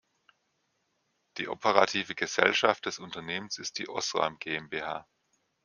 Die operative Gesellschaft des Unternehmens ist die Osram GmbH.